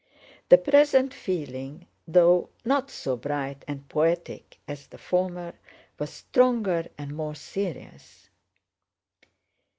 The present feeling, though not so bright and poetic as the former, was stronger and more serious.